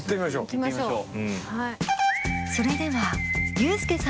行きましょう。